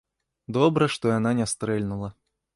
Добра, што яна не стрэльнула.